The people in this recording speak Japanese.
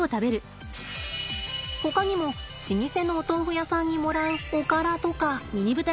ほかにも老舗のお豆腐屋さんにもらうおからとか。